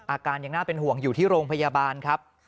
อาการยังน่าเป็นห่วงอยู่ที่โรงพยาบาลครับ